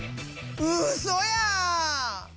うそや！